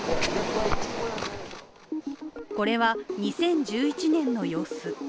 これは２０１１年の様子。